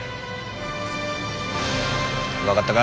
分かったか。